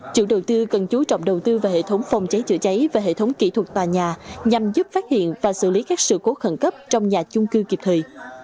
chủ đầu tư cần chú trọng đầu tư vào hệ thống phòng cháy chữa cháy và hệ thống kỹ thuật tòa nhà nhằm giúp phát hiện và xử lý các sự cố khẩn cấp trong nhà chung cư kịp thời